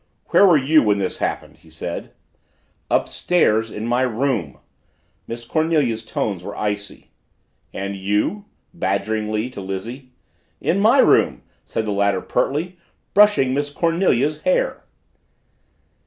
"Where were you when this happened?" he said. "Upstairs in my room." Miss Cornelia's tones were icy. "And you?" badgeringly, to Lizzie. "In my room," said the latter pertly, "brushing Miss Cornelia's hair."